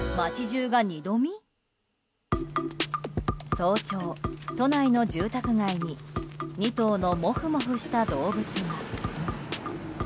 早朝、都内の住宅街に２頭のモフモフした動物が。